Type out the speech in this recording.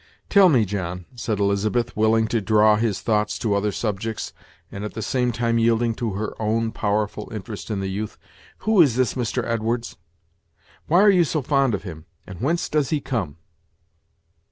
"Tell me, John," said Elizabeth, willing to draw his thoughts to other subjects, and at the same time yielding to her own powerful interest in the youth; "who is this Mr. Edwards? why are you so fond of him, and whence does he come?"